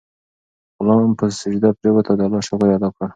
غلام په سجده پریووت او د الله شکر یې ادا کړ.